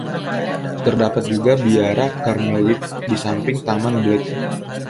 Terdapat juga biara Carmelite di samping Taman Blake.